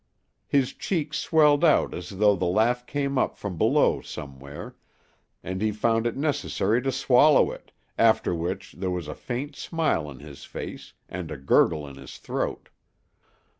His cheeks swelled out as though the laugh came up from below somewhere, and he found it necessary to swallow it, after which there was a faint smile on his face, and a gurgle in his throat.